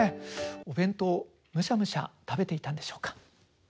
お弁当むしゃむしゃ食べていたんでしょうか。